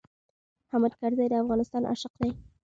حامد کرزی د افغانستان عاشق دی.